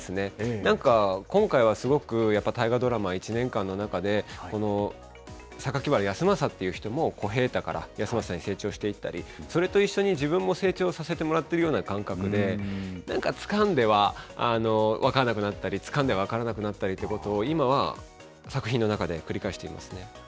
なんか、今回はすごく、やっぱ大河ドラマ１年間の中で、榊原康政って人も小平太から康政に成長していったり、それと一緒に自分も成長させてもらってるような感覚で、なんか、つかんでは分かんなくなったり、つかんでは分からなくなったりということを、今は作品の中で繰り返していますね。